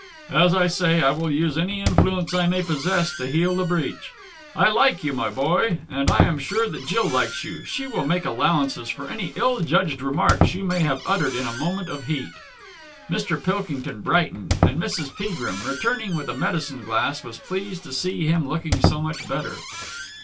"As I say, I will use any influence I may possess to heal the breach. I like you, my boy. And I am sure that Jill likes you. She will make allowances for any ill judged remarks you may have uttered in a moment of heat." Mr. Pilkington brightened, and Mrs. Peagrim, returning with a medicine glass, was pleased to see him looking so much better.